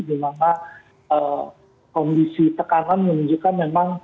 di mana kondisi tekanan menunjukkan memang